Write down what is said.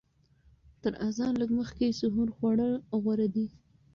تر اذان لږ مخکې سحور خوړل غوره دي.